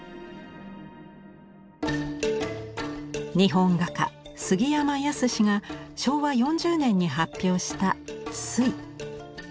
日本画家杉山寧が昭和４０年に発表した「水」。